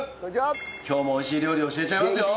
今日も美味しい料理を教えちゃいますよ！